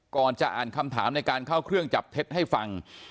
ก่อนจะอ่านคำถามในการเข้าเครื่องจับเท็จให้ฟัง